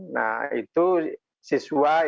nah itu siswa yang